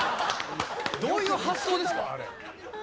どういう発想ですか？